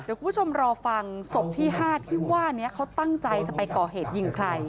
เดี๋ยวคุณผู้ชมรอฟังศพที่๕ที่ว่านี้เขาตั้งใจจะไปก่อเหตุยิงใคร